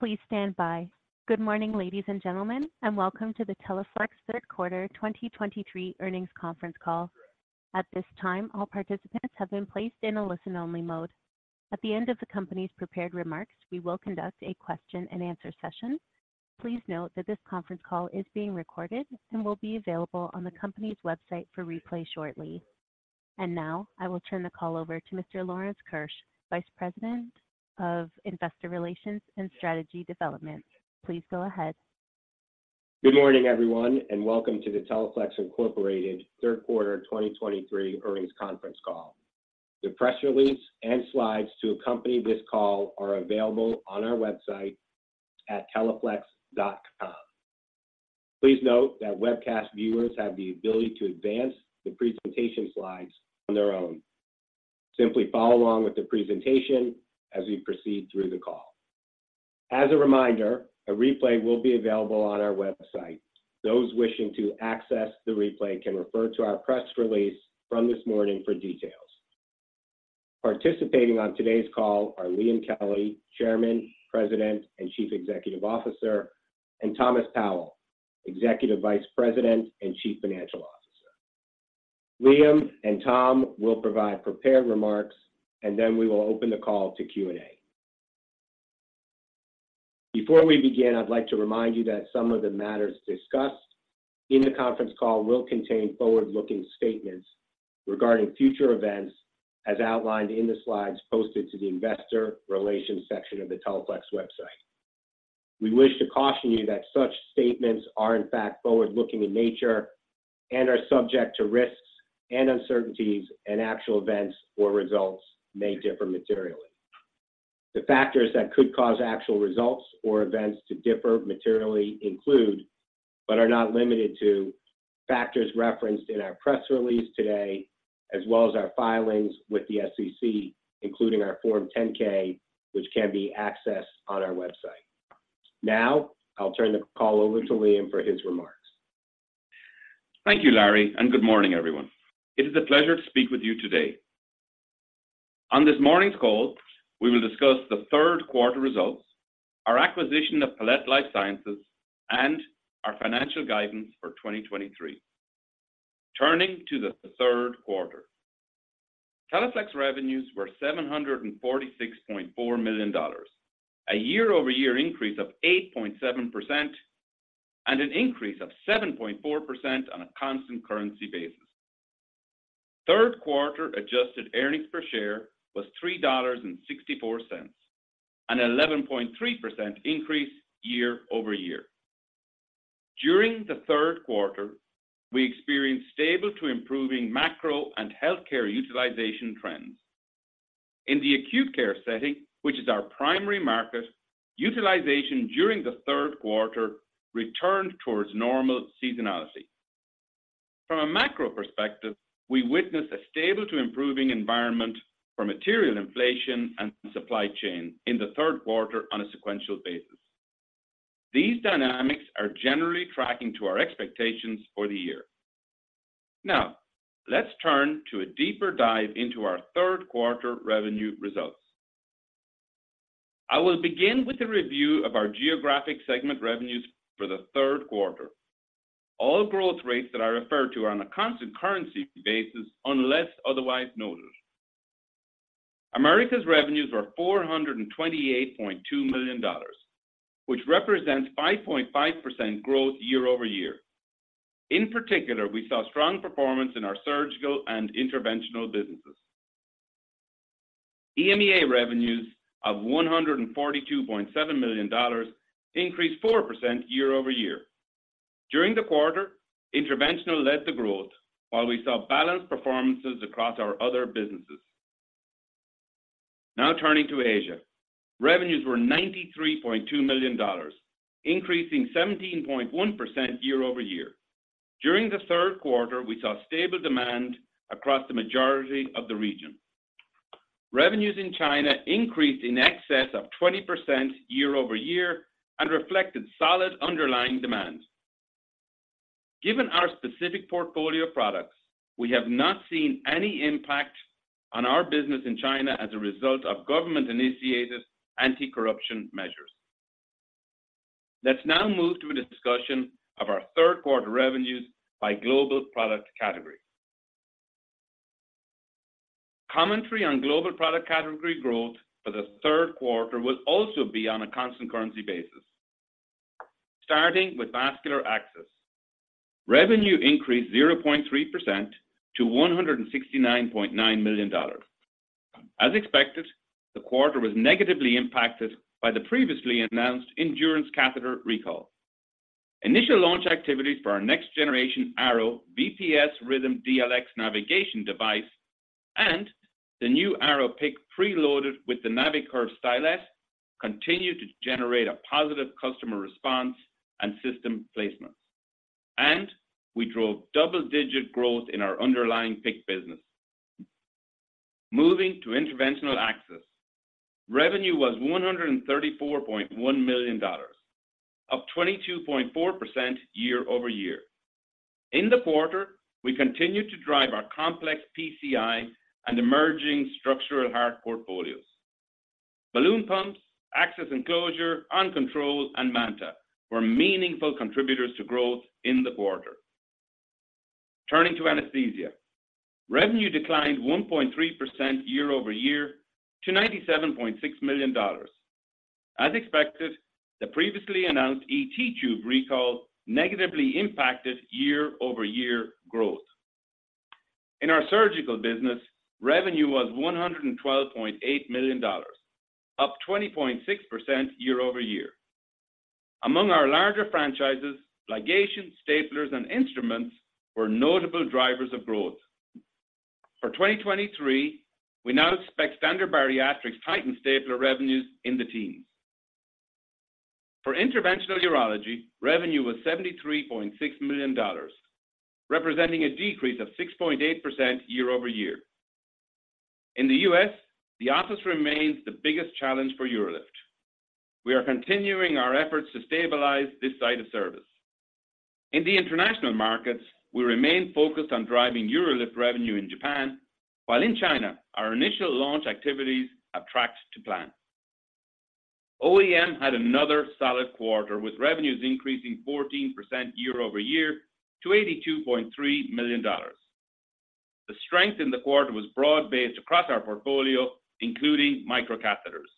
Please stand by. Good morning, ladies and gentlemen, and welcome to the Teleflex Q3 2023 Earnings Conference Call. At this time, all participants have been placed in a listen-only mode. At the end of the company's prepared remarks, we will conduct a question and answer session. Please note that this conference call is being recorded and will be available on the company's website for replay shortly. And now, I will turn the call over to Mr. Lawrence Keusch, Vice President of Investor Relations and Strategy Development. Please go ahead. Good morning, everyone, and welcome to the Teleflex Incorporated Q3 2023 Earnings Conference Call. The press release and slides to accompany this call are available on our website at teleflex.com. Please note that webcast viewers have the ability to advance the presentation slides on their own. Simply follow along with the presentation as we proceed through the call. As a reminder, a replay will be available on our website. Those wishing to access the replay can refer to our press release from this morning for details. Participating on today's call are Liam Kelly, Chairman, President, and Chief Executive Officer, and Thomas Powell, Executive Vice President and Chief Financial Officer. Liam and Tom will provide prepared remarks, and then we will open the call to Q&A. Before we begin, I'd like to remind you that some of the matters discussed in the conference call will contain forward-looking statements regarding future events, as outlined in the slides posted to the Investor Relations section of the Teleflex website. We wish to caution you that such statements are in fact forward-looking in nature and are subject to risks and uncertainties, and actual events or results may differ materially. The factors that could cause actual results or events to differ materially include, but are not limited to, factors referenced in our press release today, as well as our filings with the SEC, including our Form 10-K, which can be accessed on our website. Now, I'll turn the call over to Liam for his remarks. Thank you, Larry, and good morning, everyone. It is a pleasure to speak with you today. On this morning's call, we will discuss the Q3 results, our acquisition of Palette Life Sciences, and our financial guidance for 2023. Turning to the Q3, Teleflex revenues were $746.4 million, a year-over-year increase of 8.7%, and an increase of 7.4% on a constant currency basis. Q3 adjusted earnings per share was $3.64, an 11.3 increase year over year. During the Q3, we experienced stable to improving macro and healthcare utilization trends. In the acute care setting, which is our primary market, utilization during the Q3 returned towards normal seasonality. From a macro perspective, we witnessed a stable to improving environment for material inflation and supply chain in the Q3 on a sequential basis. These dynamics are generally tracking to our expectations for the year. Now, let's turn to a deeper dive into our Q3 revenue results. I will begin with a review of our geographic segment revenues for the Q3. All growth rates that I refer to are on a constant currency basis, unless otherwise noted. Americas revenues were $428.2 million, which represents 5.5% growth year-over-year. In particular, we saw strong performance in our surgical and interventional businesses. EMEA revenues of $142.7 million increased 4% year-over-year. During the quarter, interventional led the growth, while we saw balanced performances across our other businesses. Now, turning to Asia. Revenues were $93.2 million, increasing 17.1% year-over-year. During the Q3, we saw stable demand across the majority of the region. Revenues in China increased in excess of 20% year-over-year and reflected solid underlying demand. Given our specific portfolio of products, we have not seen any impact on our business in China as a result of government-initiated anti-corruption measures. Let's now move to a discussion of our Q3 revenues by global product category. Commentary on global product category growth for the Q3 will also be on a constant currency basis. Starting with vascular access, revenue increased 0.3% to $169.9 million. As expected, the quarter was negatively impacted by the previously announced Endurance catheter recall. Initial launch activities for our next generation Arrow VPS Rhythm DLX navigation device and the new Arrow PICC preloaded with the NaviCurve stylet continued to generate a positive customer response and system placements. We drove double-digit growth in our underlying PIC business. Moving to interventional access, revenue was $134.1 million, up 22.4% year-over-year. In the quarter, we continued to drive our complex PCI and emerging structural heart portfolios. Balloon pumps, access enclosure, OnControl, and Manta were meaningful contributors to growth in the quarter. Turning to anesthesia, revenue declined 1.3% year-over-year to $97.6 million. As expected, the previously announced ET tube recall negatively impacted year-over-year growth. In our surgical business, revenue was $112.8 million, up 20.6% year-over-year. Among our larger franchises, ligation, staplers, and instruments were notable drivers of growth. For 2023, we now expect Standard Bariatrics Titan stapler revenues in the teens. For interventional urology, revenue was $73.6 million, representing a decrease of 6.8% year-over-year. In the U.S., the office remains the biggest challenge for UroLift. We are continuing our efforts to stabilize this site of service. In the international markets, we remain focused on driving UroLift revenue in Japan, while in China, our initial launch activities are tracked to plan. OEM had another solid quarter, with revenues increasing 14% year-over-year to $82.3 million. The strength in the quarter was broad-based across our portfolio, including micro catheters.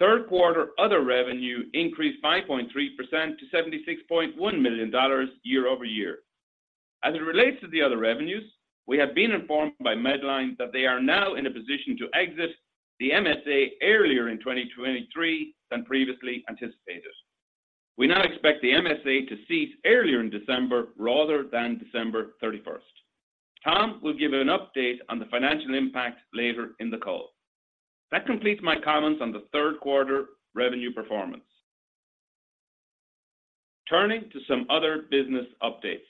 Q3 other revenue increased 5.3% to $76.1 million year-over-year. As it relates to the other revenues, we have been informed by Medline that they are now in a position to exit the MSA earlier in 2023 than previously anticipated. We now expect the MSA to cease earlier in December, rather than December thirty-first. Tom will give an update on the financial impact later in the call. That completes my comments on the Q3 revenue performance. Turning to some other business updates.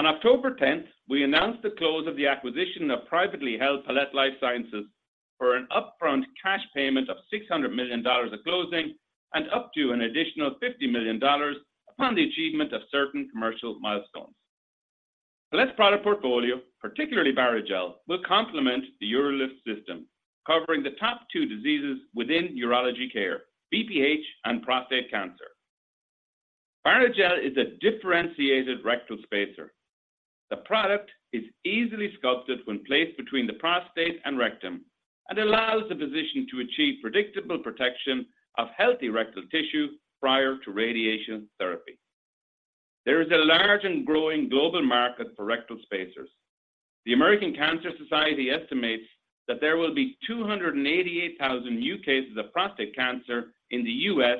On October tenth, we announced the close of the acquisition of privately held Palette Life Sciences for an upfront cash payment of $600 million at closing and up to an additional $50 million upon the achievement of certain commercial milestones. Palette's product portfolio, particularly Barrigel, will complement the UroLift system, covering the top two diseases within urology care: BPH and prostate cancer. Barrigel is a differentiated rectal spacer. The product is easily sculpted when placed between the prostate and rectum, and allows the physician to achieve predictable protection of healthy rectal tissue prior to radiation therapy. There is a large and growing global market for rectal spacers. The American Cancer Society estimates that there will be 288,000 new cases of prostate cancer in the U.S.,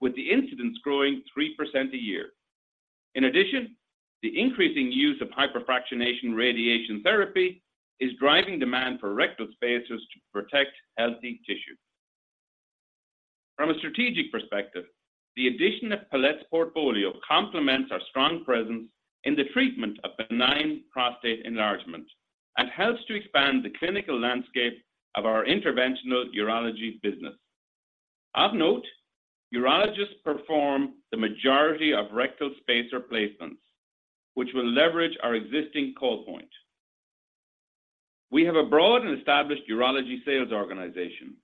with the incidence growing 3% a year. In addition, the increasing use of hyperfractionation radiation therapy is driving demand for rectal spacers to protect healthy tissue. From a strategic perspective, the addition of Palette's portfolio complements our strong presence in the treatment of benign prostate enlargement and helps to expand the clinical landscape of our interventional urology business. Of note, urologists perform the majority of rectal spacer placements, which will leverage our existing call point. We have a broad and established urology sales organization,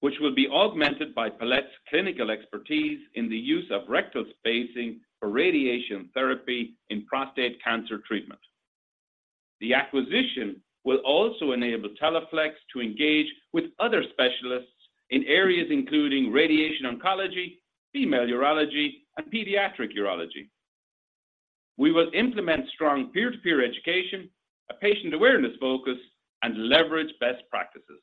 which will be augmented by Palette's clinical expertise in the use of rectal spacing for radiation therapy in prostate cancer treatment. The acquisition will also enable Teleflex to engage with other specialists in areas including radiation oncology, female urology, and pediatric urology. We will implement strong peer-to-peer education, a patient awareness focus, and leverage best practices.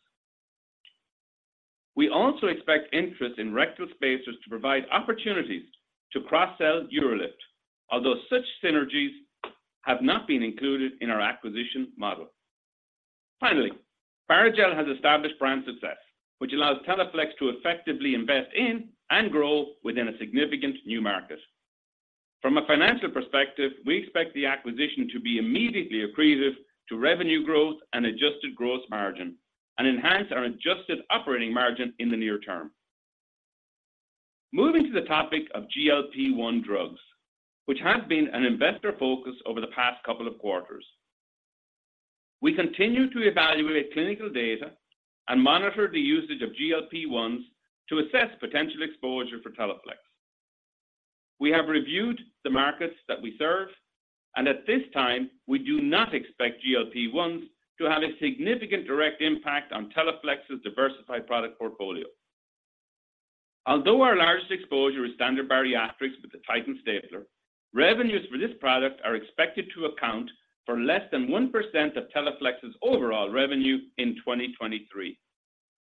We also expect interest in rectal spacers to provide opportunities to cross-sell UroLift, although such synergies have not been included in our acquisition model. Finally, Barrigel has established brand success, which allows Teleflex to effectively invest in and grow within a significant new market. From a financial perspective, we expect the acquisition to be immediately accretive to revenue growth and adjusted gross margin, and enhance our adjusted operating margin in the near term. Moving to the topic of GLP-1 drugs, which has been an investor focus over the past couple of quarters. We continue to evaluate clinical data and monitor the usage of GLP-1s to assess potential exposure for Teleflex. We have reviewed the markets that we serve, and at this time, we do not expect GLP-1s to have a significant direct impact on Teleflex's diversified product portfolio. Although our largest exposure is Standard Bariatrics with the Titan stapler, revenues for this product are expected to account for less than 1% of Teleflex's overall revenue in 2023.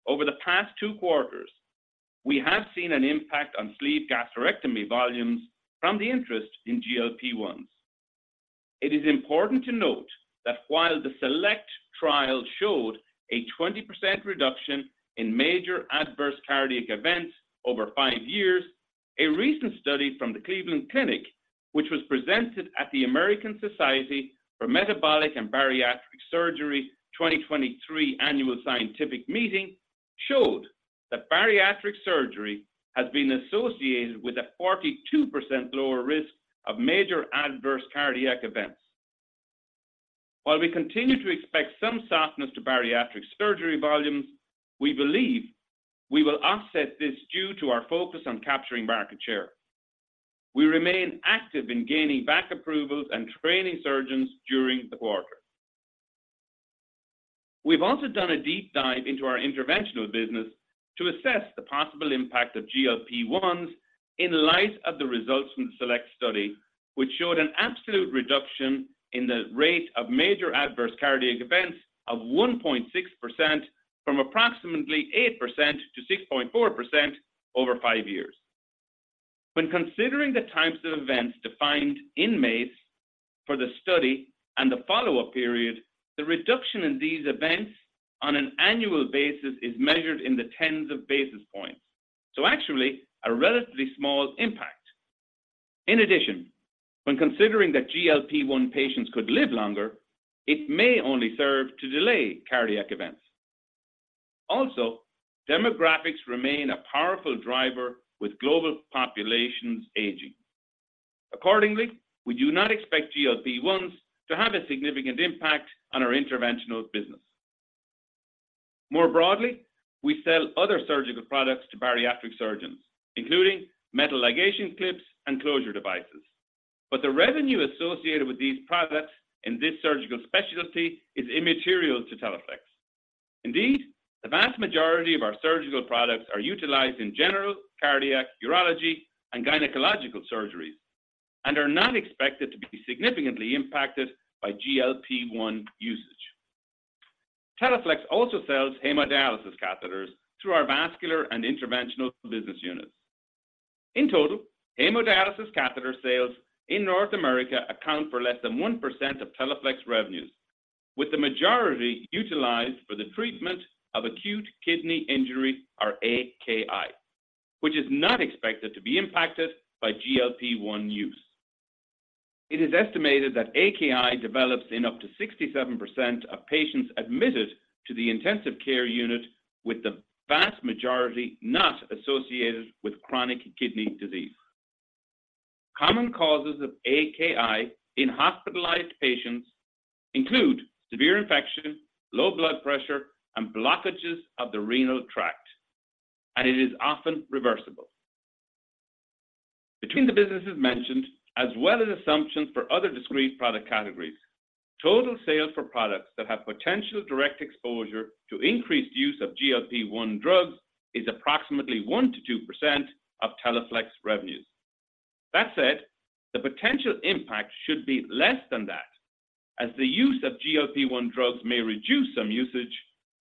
Over the past 2 quarters, we have seen an impact on sleeve gastrectomy volumes from the interest in GLP-1s. It is important to note that while the SELECT trial showed a 20% reduction in major adverse cardiac events over 5 years, a recent study from the Cleveland Clinic-... which was presented at the American Society for Metabolic and Bariatric Surgery 2023 annual scientific meeting, showed that bariatric surgery has been associated with a 42% lower risk of major adverse cardiac events. While we continue to expect some softness to bariatric surgery volumes, we believe we will offset this due to our focus on capturing market share. We remain active in gaining back approvals and training surgeons during the quarter. We've also done a deep dive into our interventional business to assess the possible impact of GLP-1s in light of the results from the Select study, which showed an absolute reduction in the rate of major adverse cardiac events of 1.6%, from approximately 8% to 6.4% over five years. When considering the types of events defined in maze for the study and the follow-up period, the reduction in these events on an annual basis is measured in the tens of basis points. So actually, a relatively small impact. In addition, when considering that GLP-1 patients could live longer, it may only serve to delay cardiac events. Also, demographics remain a powerful driver, with global populations aging. Accordingly, we do not expect GLP-1s to have a significant impact on our interventional business. More broadly, we sell other surgical products to bariatric surgeons, including metal ligation clips and closure devices. But the revenue associated with these products in this surgical specialty is immaterial to Teleflex. Indeed, the vast majority of our surgical products are utilized in general cardiac, urology, and gynecological surgeries, and are not expected to be significantly impacted by GLP-1 usage. Teleflex also sells hemodialysis catheters through our vascular and interventional business units. In total, hemodialysis catheter sales in North America account for less than 1% of Teleflex revenues, with the majority utilized for the treatment of acute kidney injury or AKI, which is not expected to be impacted by GLP-1 use. It is estimated that AKI develops in up to 67% of patients admitted to the intensive care unit, with the vast majority not associated with chronic kidney disease. Common causes of AKI in hospitalized patients include severe infection, low blood pressure, and blockages of the renal tract, and it is often reversible. Between the businesses mentioned, as well as assumptions for other discrete product categories, total sales for products that have potential direct exposure to increased use of GLP-1 drugs is approximately 1%-2% of Teleflex revenues. That said, the potential impact should be less than that, as the use of GLP-1 drugs may reduce some usage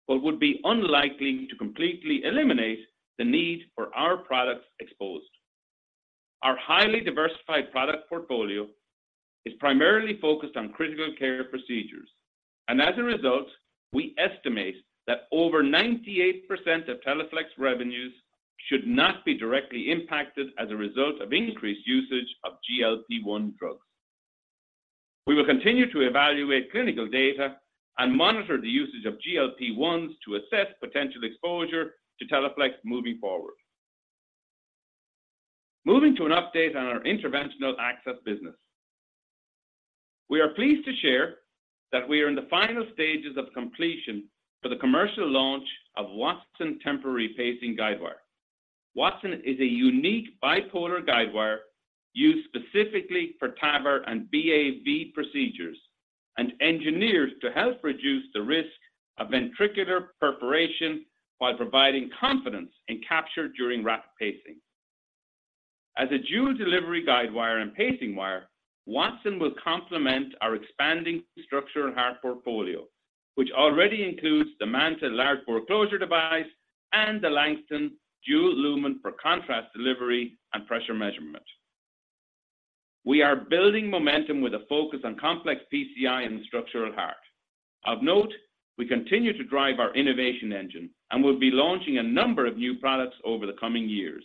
but would be unlikely to completely eliminate the need for our products exposed. Our highly diversified product portfolio is primarily focused on critical care procedures, and as a result, we estimate that over 98% of Teleflex revenues should not be directly impacted as a result of increased usage of GLP-1 drugs. We will continue to evaluate clinical data and monitor the usage of GLP-1s to assess potential exposure to Teleflex moving forward. Moving to an update on our interventional access business. We are pleased to share that we are in the final stages of completion for the commercial launch of Wattson temporary pacing guide wire. Wattson is a unique bipolar guide wire used specifically for TAVR and BAV procedures, and engineered to help reduce the risk of ventricular perforation while providing confidence and capture during rapid pacing. As a dual delivery guide wire and pacing wire, Wattson will complement our expanding structural heart portfolio, which already includes the Manta large bore closure device and the Langston dual lumen for contrast delivery and pressure measurement. We are building momentum with a focus on complex PCI and structural heart. Of note, we continue to drive our innovation engine and will be launching a number of new products over the coming years.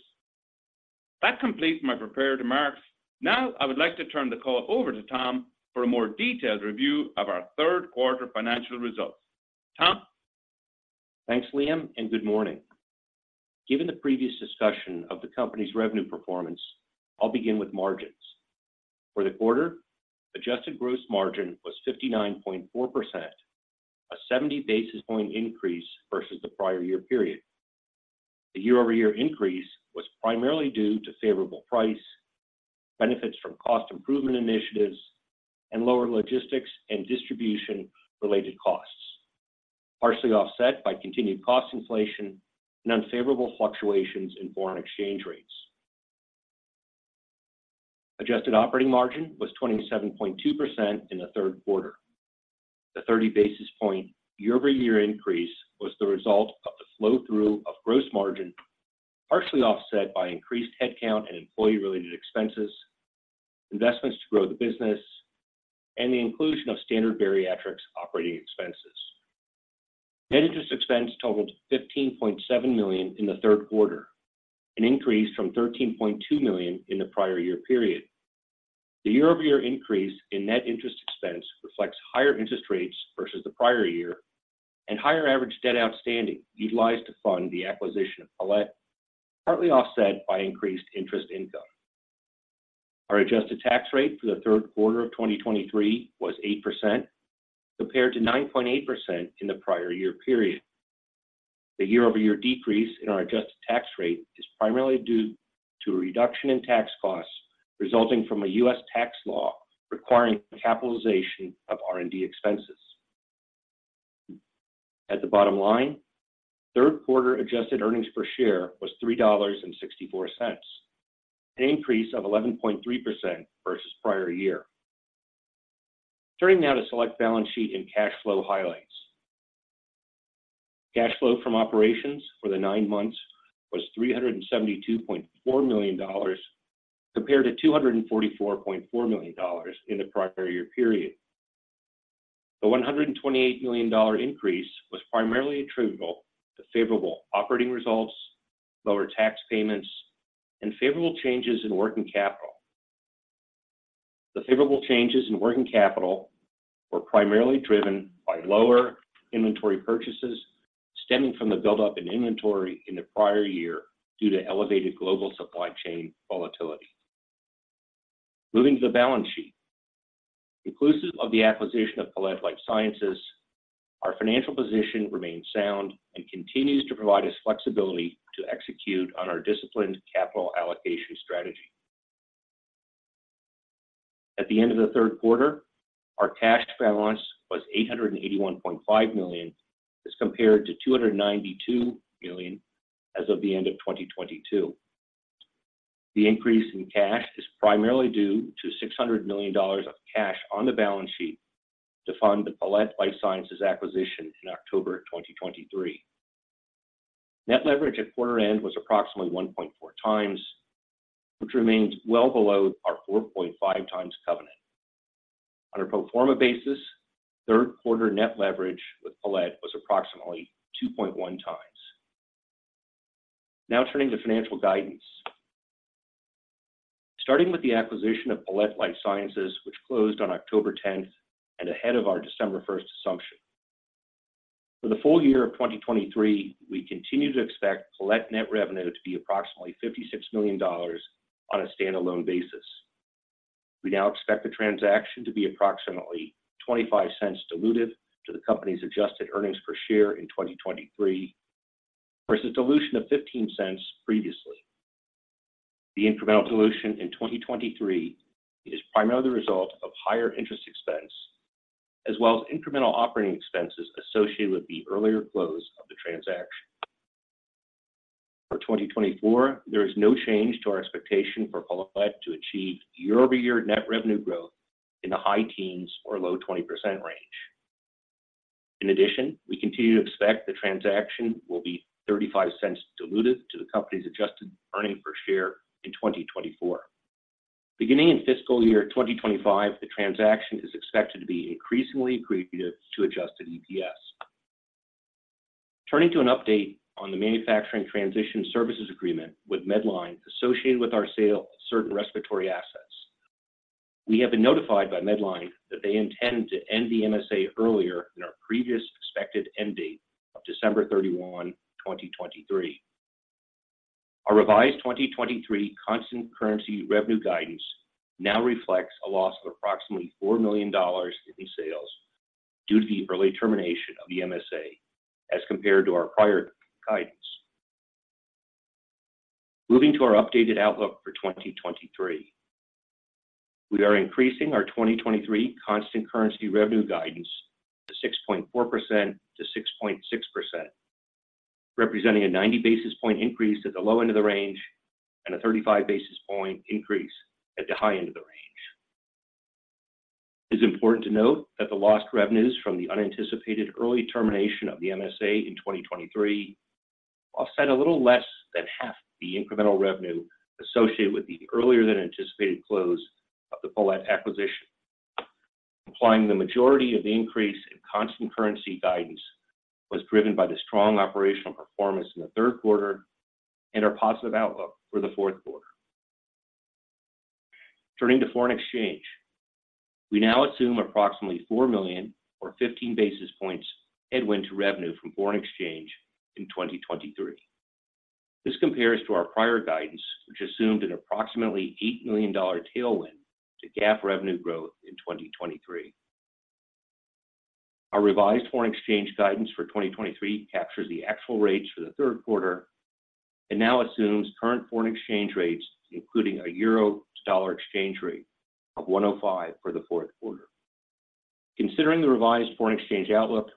That completes my prepared remarks. Now, I would like to turn the call over to Tom for a more detailed review of our Q3 financial results. Tom? Thanks, Liam, and good morning. Given the previous discussion of the company's revenue performance, I'll begin with margins. For the quarter, adjusted gross margin was 59.4%, a 70 basis point increase versus the prior year period. The year-over-year increase was primarily due to favorable price, benefits from cost improvement initiatives, and lower logistics and distribution-related costs, partially offset by continued cost inflation and unfavorable fluctuations in foreign exchange rates. Adjusted operating margin was 27.2% in the Q3. The 30 basis point year-over-year increase was the result of the flow-through of gross margin, partially offset by increased headcount and employee-related expenses, investments to grow the business, and the inclusion of Standard Bariatrics operating expenses.... Net interest expense totaled $15.7 million in the Q3, an increase from $13.2 million in the prior year period. The year-over-year increase in net interest expense reflects higher interest rates versus the prior year and higher average debt outstanding utilized to fund the acquisition of Palette, partly offset by increased interest income. Our adjusted tax rate for the Q3 of 2023 was 8%, compared to 9.8% in the prior year period. The year-over-year decrease in our adjusted tax rate is primarily due to a reduction in tax costs resulting from a U.S. tax law requiring capitalization of R&D expenses. At the bottom line, Q3 adjusted earnings per share was $3.64, an increase of 11.3% versus prior year. Turning now to select balance sheet and cash flow highlights. Cash flow from operations for the nine months was $372.4 million, compared to $244.4 million in the prior year period. The $128 million increase was primarily attributable to favorable operating results, lower tax payments, and favorable changes in working capital. The favorable changes in working capital were primarily driven by lower inventory purchases stemming from the buildup in inventory in the prior year due to elevated global supply chain volatility. Moving to the balance sheet. Inclusive of the acquisition of Palette Life Sciences, our financial position remains sound and continues to provide us flexibility to execute on our disciplined capital allocation strategy. At the end of the Q3, our cash balance was $881.5 million, as compared to $292 million as of the end of 2022. The increase in cash is primarily due to $600 million of cash on the balance sheet to fund the Palette Life Sciences acquisition in October 2023. Net leverage at quarter end was approximately 1.4 times, which remains well below our 4.5 times covenant. On a pro forma basis, Q3 net leverage with Palette was approximately 2.1 times. Now turning to financial guidance. Starting with the acquisition of Palette Life Sciences, which closed on October 10 and ahead of our December 1 assumption. For the full year of 2023, we continue to expect Palette net revenue to be approximately $56 million on a standalone basis. We now expect the transaction to be approximately $0.25 diluted to the company's adjusted earnings per share in 2023, versus dilution of $0.15 previously. The incremental dilution in 2023 is primarily the result of higher interest expense, as well as incremental operating expenses associated with the earlier close of the transaction. For 2024, there is no change to our expectation for Palette to achieve year-over-year net revenue growth in the high teens or low 20% range. In addition, we continue to expect the transaction will be $0.35 diluted to the company's adjusted earnings per share in 2024. Beginning in fiscal year 2025, the transaction is expected to be increasingly accretive to adjusted EPS. Turning to an update on the manufacturing transition services agreement with Medline associated with our sale of certain respiratory assets. We have been notified by Medline that they intend to end the MSA earlier than our previous expected end date of December 31, 2023. Our revised 2023 constant currency revenue guidance now reflects a loss of approximately $4 million in sales due to the early termination of the MSA as compared to our prior guidance. Moving to our updated outlook for 2023. We are increasing our 2023 constant currency revenue guidance to 6.4%-6.6%, representing a 90 basis point increase at the low end of the range and a 35 basis point increase at the high end of the range. It's important to note that the lost revenues from the unanticipated early termination of the MSA in 2023 offset a little less than half the incremental revenue associated with the earlier than anticipated close of the Palette acquisition, implying the majority of the increase in constant currency guidance was driven by the strong operational performance in the Q3 and our positive outlook for the Q4. Turning to foreign exchange. We now assume approximately $4 million or 15 basis points headwind to revenue from foreign exchange in 2023. This compares to our prior guidance, which assumed an approximately $8 million tailwind to GAAP revenue growth in 2023. Our revised foreign exchange guidance for 2023 captures the actual rates for the Q3 and now assumes current foreign exchange rates, including a euro-to-dollar exchange rate of 1.05 for the Q4. Considering the revised foreign exchange outlook,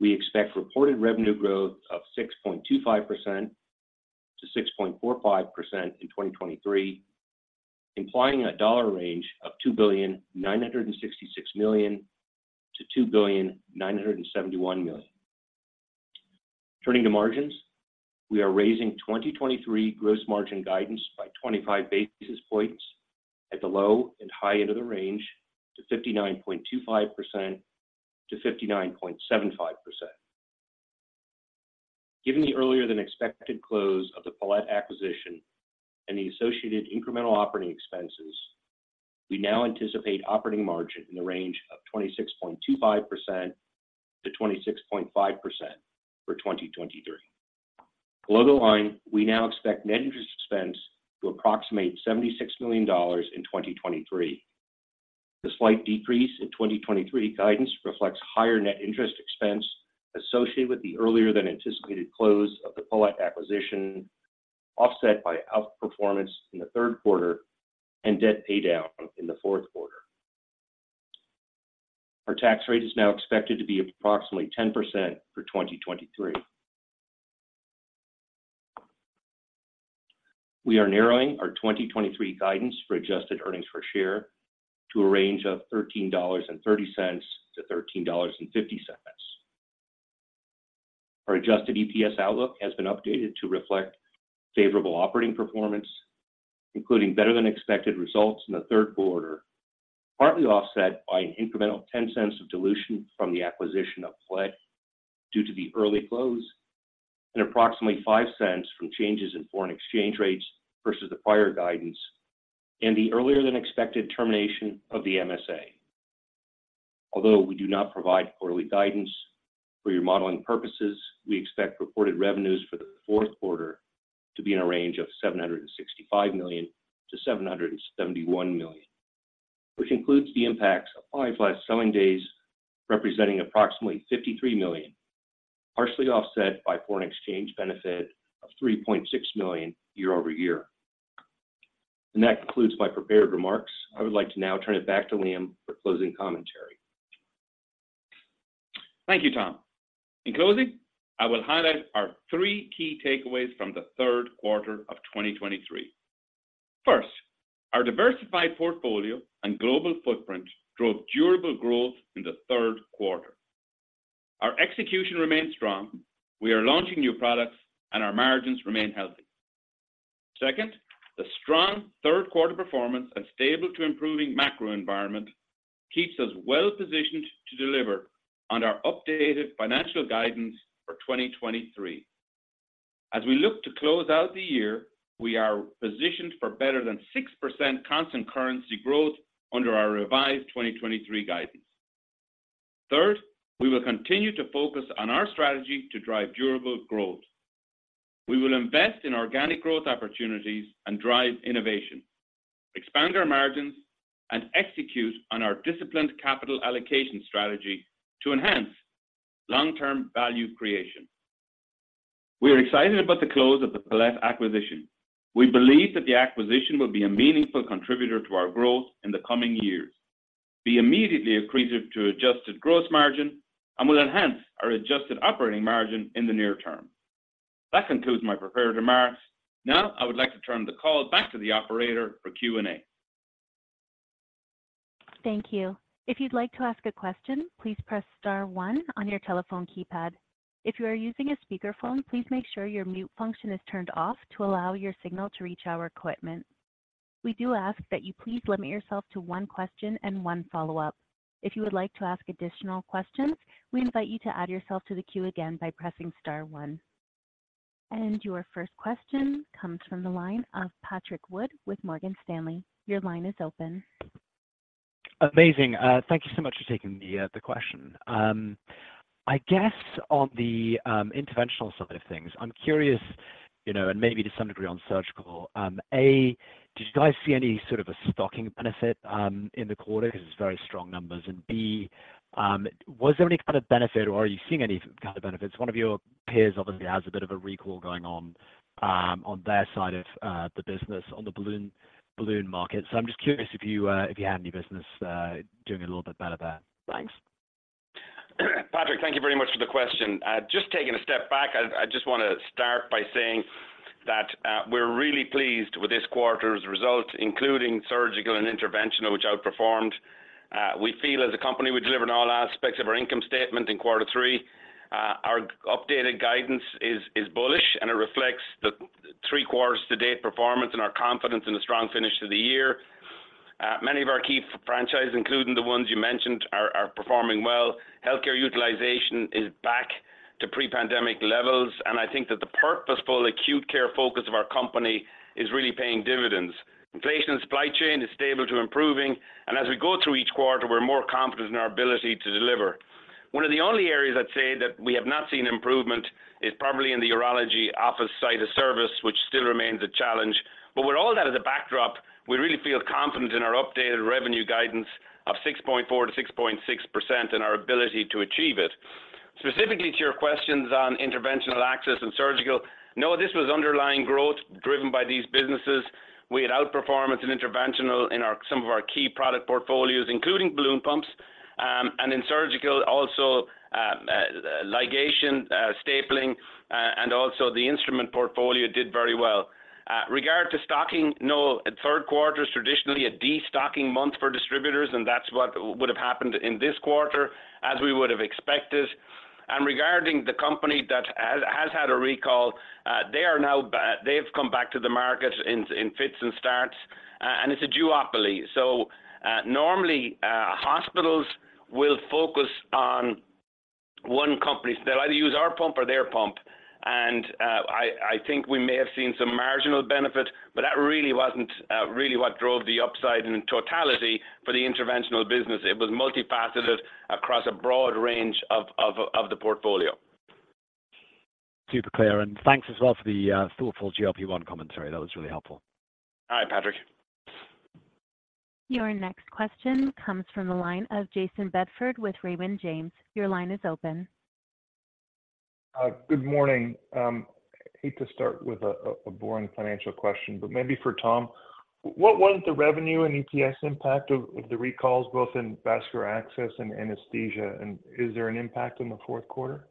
we expect reported revenue growth of 6.25%-6.45% in 2023, implying a dollar range of $2,966 million-$2,971 million. Turning to margins, we are raising 2023 gross margin guidance by 25 basis points at the low and high end of the range to 59.25%-59.75%. Given the earlier than expected close of the Palette acquisition and the associated incremental operating expenses, we now anticipate operating margin in the range of 26.25%-26.5% for 2023. Below the line, we now expect net interest expense to approximate $76 million in 2023. The slight decrease in 2023 guidance reflects higher net interest expense associated with the earlier than anticipated close of the Palette acquisition, offset by outperformance in the Q3 and debt paydown in the Q4. Our tax rate is now expected to be approximately 10% for 2023. We are narrowing our 2023 guidance for adjusted earnings per share to a range of $13.30-$13.50. Our adjusted EPS outlook has been updated to reflect favorable operating performance, including better-than-expected results in the Q3, partly offset by an incremental $0.10 of dilution from the acquisition of Palette due to the early close and approximately $0.05 from changes in foreign exchange rates versus the prior guidance and the earlier-than-expected termination of the MSA. Although we do not provide quarterly guidance for your modeling purposes, we expect reported revenues for the Q4 to be in a range of $765 million-$771 million, which includes the impacts of 5 less selling days, representing approximately $53 million, partially offset by foreign exchange benefit of $3.6 million year-over-year. That concludes my prepared remarks. I would like to now turn it back to Liam for closing commentary. Thank you, Tom. In closing, I will highlight our three key takeaways from the Q3 of 2023. First, our diversified portfolio and global footprint drove durable growth in the Q3. Our execution remains strong. We are launching new products, and our margins remain healthy. Second, the strong Q3 performance and stable to improving macro environment keeps us well-positioned to deliver on our updated financial guidance for 2023. As we look to close out the year, we are positioned for better than 6% constant currency growth under our revised 2023 guidance. Third, we will continue to focus on our strategy to drive durable growth. We will invest in organic growth opportunities and drive innovation, expand our margins, and execute on our disciplined capital allocation strategy to enhance long-term value creation. We are excited about the close of the Palette acquisition. We believe that the acquisition will be a meaningful contributor to our growth in the coming years, be immediately accretive to adjusted gross margin, and will enhance our adjusted operating margin in the near term. That concludes my prepared remarks. Now, I would like to turn the call back to the operator for Q&A. Thank you. If you'd like to ask a question, please press star one on your telephone keypad. If you are using a speakerphone, please make sure your mute function is turned off to allow your signal to reach our equipment. We do ask that you please limit yourself to one question and one follow-up. If you would like to ask additional questions, we invite you to add yourself to the queue again by pressing star one. And your first question comes from the line of Patrick Wood with Morgan Stanley. Your line is open. Amazing. Thank you so much for taking the question. I guess on the interventional side of things, I'm curious, you know, and maybe to some degree on surgical, A: did you guys see any sort of a stocking benefit in the quarter? Because it's very strong numbers. And B, was there any kind of benefit or are you seeing any kind of benefits? One of your peers obviously has a bit of a recall going on, on their side of the business, on the balloon market. So I'm just curious if you had any business doing a little bit better there. Thanks. Patrick, thank you very much for the question. Just taking a step back, I just want to start by saying that, we're really pleased with this quarter's results, including surgical and interventional, which outperformed. We feel as a company, we delivered in all aspects of our income statement in quarter three. Our updated guidance is bullish, and it reflects the three quarters to date performance and our confidence in a strong finish to the year. Many of our key franchises, including the ones you mentioned, are performing well. Healthcare utilization is back to pre-pandemic levels, and I think that the purposeful acute care focus of our company is really paying dividends. Inflation and supply chain is stable to improving, and as we go through each quarter, we're more confident in our ability to deliver. One of the only areas I'd say that we have not seen improvement is probably in the urology office site of service, which still remains a challenge. With all that as a backdrop, we really feel confident in our updated revenue guidance of 6.4%-6.6% and our ability to achieve it. Specifically to your questions on interventional access and surgical, no, this was underlying growth driven by these businesses. We had outperformance in interventional in some of our key product portfolios, including balloon pumps, and in surgical, also, ligation, stapling, and also the instrument portfolio did very well. Regarding stocking, no, Q3 is traditionally a destocking month for distributors, and that's what would have happened in this quarter, as we would have expected. Regarding the company that has had a recall, they are now back. They've come back to the market in fits and starts, and it's a duopoly. So, normally, hospitals will focus on one company. They'll either use our pump or their pump, and I think we may have seen some marginal benefit, but that really wasn't really what drove the upside in totality for the interventional business. It was multifaceted across a broad range of the portfolio. Super clear, and thanks as well for the thoughtful GLP-1 commentary. That was really helpful. All right, Patrick. Your next question comes from the line of Jayson Bedford with Raymond James. Your line is open. Good morning. I hate to start with a boring financial question, but maybe for Tom. What was the revenue and EPS impact of the recalls, both in vascular access and anesthesia? And is there an impact in the Q4?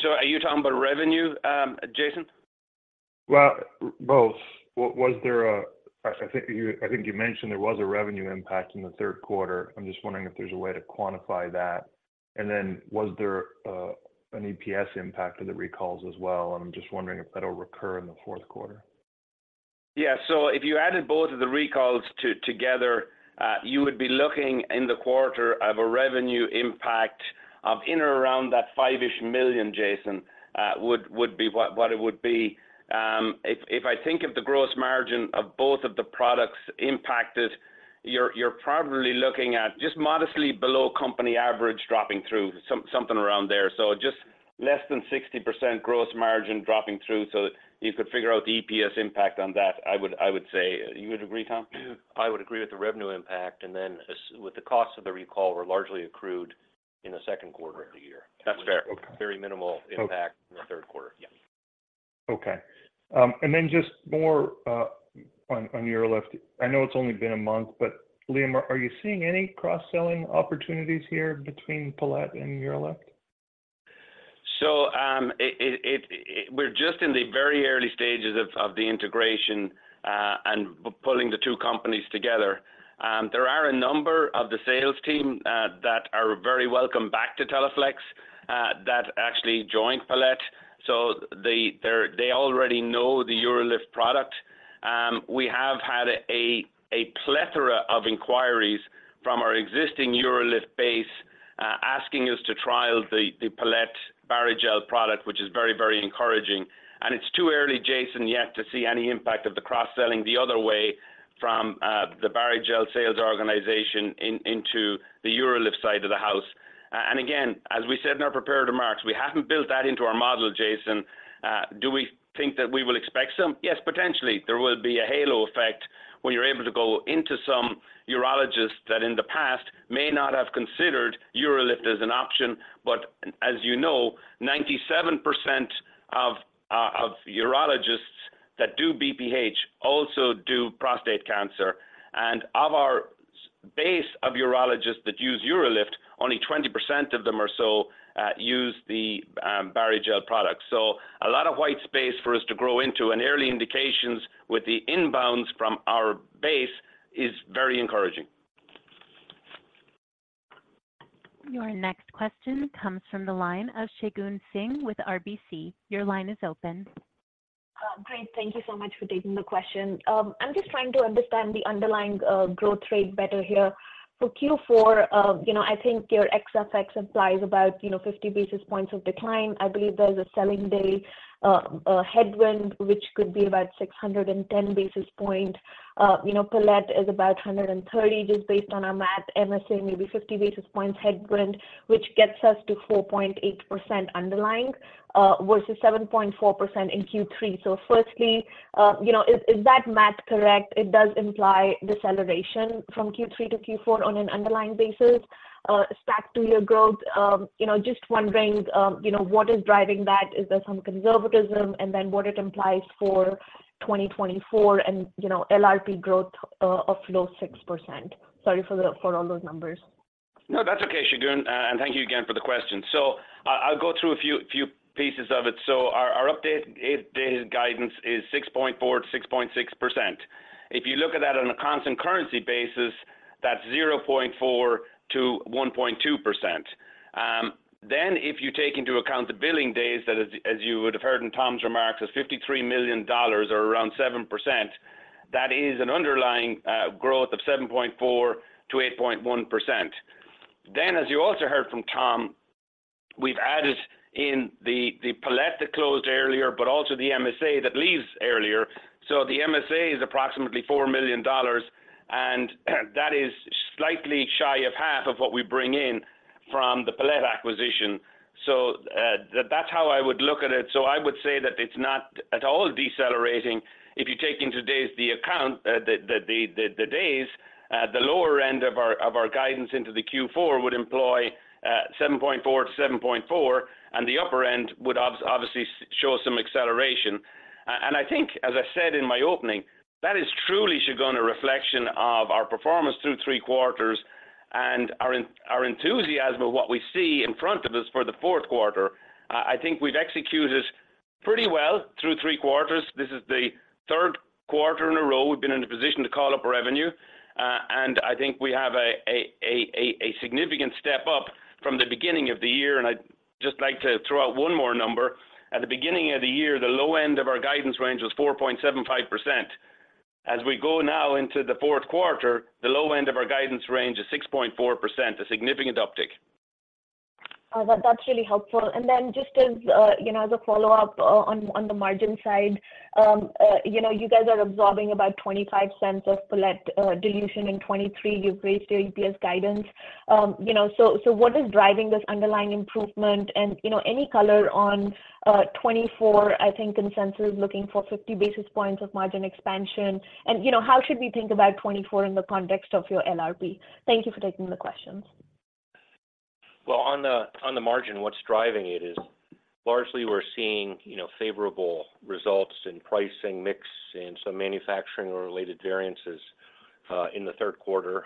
So are you talking about revenue, Jayson? Well, both. Was there a... I think you mentioned there was a revenue impact in the Q3. I'm just wondering if there's a way to quantify that. And then was there an EPS impact of the recalls as well? I'm just wondering if that'll recur in the Q4. Yeah, so if you added both of the recalls together, you would be looking in the quarter at a revenue impact of in or around that $5 million-ish, Jayson. That would be what it would be. If I think of the gross margin of both of the products impacted, you're probably looking at just modestly below company average, dropping through something around there. So just less than 60% gross margin dropping through. So you could figure out the EPS impact on that, I would say. You would agree, Tom? I would agree with the revenue impact, and then with the cost of the recall were largely accrued in the Q2 of the year. That's fair. Okay. Very minimal impact- Okay. In the Q3. Yeah. Okay. And then just more on UroLift. I know it's only been a month, but Liam, are you seeing any cross-selling opportunities here between Palette and UroLift? So, we're just in the very early stages of the integration and pulling the two companies together. There are a number of the sales team that are very welcome back to Teleflex that actually joined Palette. So they already know the UroLift product. We have had a plethora of inquiries from our existing UroLift base asking us to trial the Palette Barrigel product, which is very, very encouraging. And it's too early, Jason, yet to see any impact of the cross-selling the other way from the Barrigel sales organization into the UroLift side of the house. And again, as we said in our prepared remarks, we haven't built that into our model, Jayson. Do we think that we will expect some? Yes, potentially, there will be a halo effect when you're able to go into some urologists that in the past may not have considered UroLift as an option. But as you know, 97% of urologists that do BPH also do prostate cancer. And of our base of urologists that use UroLift, only 20% of them or so use the Barrigel product. So a lot of white space for us to grow into, and early indications with the inbounds from our base is very encouraging. Your next question comes from the line of Shagun Singh with RBC. Your line is open. Great. Thank you so much for taking the question. I'm just trying to understand the underlying growth rate better here. For Q4, you know, I think your XFX implies about, you know, 50 basis points of decline. I believe there's a selling day headwind, which could be about 610 basis point. You know, Palette is about 130, just based on our math, MSA, maybe 50 basis points headwind, which gets us to 4.8% underlying versus 7.4% in Q3. So firstly, you know, is that math correct? It does imply deceleration from Q3 to Q4 on an underlying basis stack to your growth. You know, just wondering, you know, what is driving that? Is there some conservatism? And then what it implies for 2024 and, you know, LRP growth of those 6%. Sorry for all those numbers. No, that's okay, Shagun, and thank you again for the question. So I, I'll go through a few pieces of it. So our update is, the guidance is 6.4%-6.6%. If you look at that on a constant currency basis, that's 0.4%-1.2%. Then if you take into account the billing days, that is, as you would have heard in Tom's remarks, is $53 million or around 7%, that is an underlying growth of 7.4%-8.1%. Then, as you also heard from Tom, we've added in the Palette that closed earlier, but also the MSA that leaves earlier. So the MSA is approximately $4 million, and that is slightly shy of half of what we bring in from the Palette acquisition. So, that's how I would look at it. So I would say that it's not at all decelerating. If you take into days the account, the days, the lower end of our, of our guidance into the Q4 would employ 7.4-7.4, and the upper end would obviously show some acceleration. And I think, as I said in my opening, that is truly, Shagun, a reflection of our performance through three quarters... and our enthusiasm of what we see in front of us for the Q4, I think we've executed pretty well through three quarters. This is the Q3 in a row we've been in a position to call up our revenue. And I think we have a significant step up from the beginning of the year, and I'd just like to throw out one more number. At the beginning of the year, the low end of our guidance range was 4.75%. As we go now into the Q4, the low end of our guidance range is 6.4%, a significant uptick. Oh, that, that's really helpful. And then just as, you know, as a follow-up on, on the margin side, you know, you guys are absorbing about $0.25 of Palette dilution in 2023. You've raised your EPS guidance. You know, so what is driving this underlying improvement? And, you know, any color on 2024, I think consensus is looking for 50 basis points of margin expansion. And, you know, how should we think about 2024 in the context of your LRP? Thank you for taking the questions. Well, on the margin, what's driving it is largely we're seeing, you know, favorable results in pricing, mix, and some manufacturing or related variances in the Q3.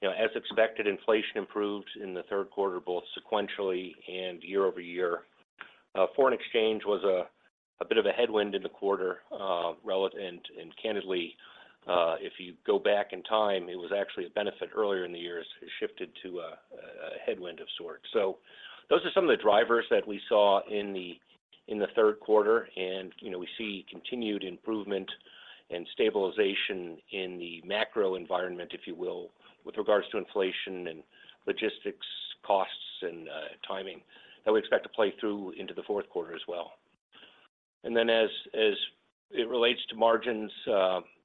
You know, as expected, inflation improved in the Q3, both sequentially and year-over-year. Foreign exchange was a bit of a headwind in the quarter, relevant. And candidly, if you go back in time, it was actually a benefit earlier in the year as it shifted to a headwind of sorts. So those are some of the drivers that we saw in the Q3, and, you know, we see continued improvement and stabilization in the macro environment, if you will, with regards to inflation and logistics costs, and timing, that we expect to play through into the Q4 as well. Then as it relates to margins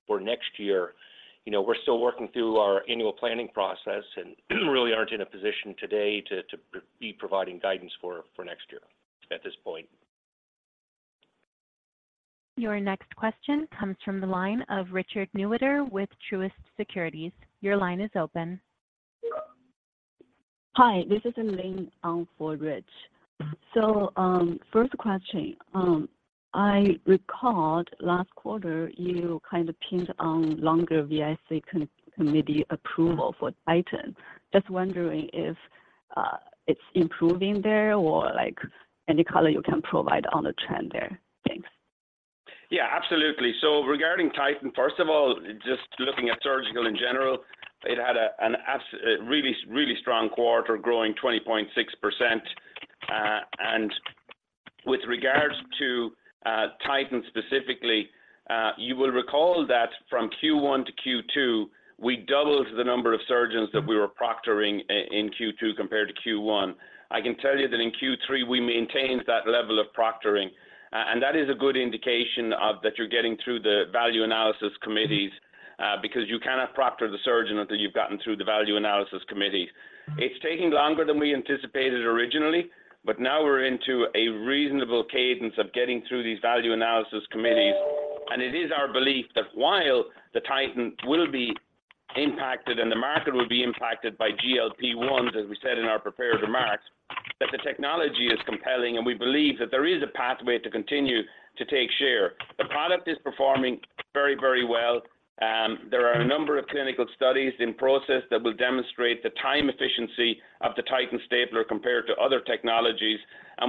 for next year, you know, we're still working through our annual planning process and really aren't in a position today to be providing guidance for next year at this point. Your next question comes from the line of Richard Newitter with Truist Securities. Your line is open. Hi, this is Lin on for Rich. First question: I recalled last quarter, you kind of pinned on longer VIC committee approval for Titan. Just wondering if it's improving there or, like, any color you can provide on the trend there. Thanks. Yeah, absolutely. So regarding Titan, first of all, just looking at surgical in general, it had a really, really strong quarter, growing 20.6%. And with regards to Titan specifically, you will recall that from Q1 to Q2, we doubled the number of surgeons that we were proctoring in Q2 compared to Q1. I can tell you that in Q3, we maintained that level of proctoring, and that is a good indication that you're getting through the value analysis committees, because you cannot proctor the surgeon until you've gotten through the value analysis committee. It's taking longer than we anticipated originally, but now we're into a reasonable cadence of getting through these value analysis committees. It is our belief that while the Titan will be impacted and the market will be impacted by GLP-1s, as we said in our prepared remarks, that the technology is compelling, and we believe that there is a pathway to continue to take share. The product is performing very, very well. There are a number of clinical studies in process that will demonstrate the time efficiency of the Titan stapler compared to other technologies.